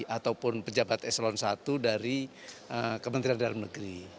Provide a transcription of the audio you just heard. ataupun pejabat eselon i dari kementerian dalam negeri